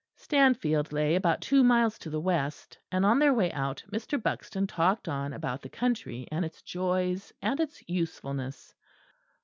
Stanfield lay about two miles to the west; and on their way out, Mr. Buxton talked on about the country and its joys and its usefulness.